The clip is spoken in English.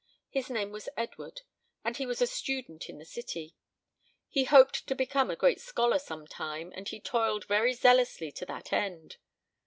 His name was Edward, and he was a student in the city; he hoped to become a great scholar sometime, and he toiled very zealously to that end.